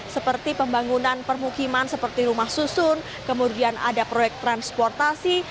seperti pembangunan permukiman seperti rumah susun kemudian ada proyek transportasi